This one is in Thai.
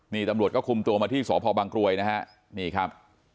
นี่ตำรวจก็คุมตัวมาที่สพบางกรวยนะฮะนี่ครับ